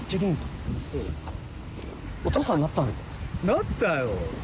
なったよ。